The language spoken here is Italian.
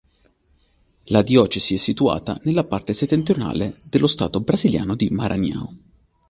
La diocesi è situata nella parte settentrionale dello Stato brasiliano di Maranhão.